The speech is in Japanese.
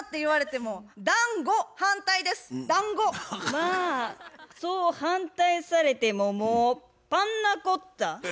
まあそう反対されてももう「パンナコッタ」。